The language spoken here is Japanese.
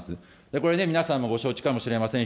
これね、皆さんもご承知かもしれません。